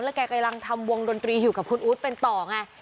แกกำลังทำวงดนตรีอยู่กับคุณอู๊ดเป็นต่อไง